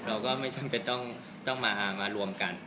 เราก็ไม่จำเป็นต้องมารวมกัน